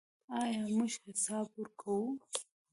آیا موږ حساب ورکوو؟